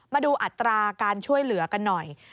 มาดูอัตราการช่วยเหลือกันหน่อย